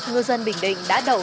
ngư dân bình định đã đậu